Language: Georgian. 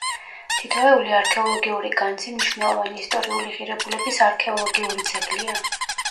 თითოეული არქეოლოგიური განძი მნიშვნელოვანი ისტორიული ღირებულების არქეოლოგიური ძეგლია.